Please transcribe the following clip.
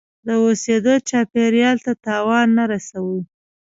د اوسیدو چاپیریال ته تاوان نه رسوي.